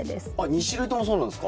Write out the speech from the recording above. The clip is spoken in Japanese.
２種類ともそうなんすか？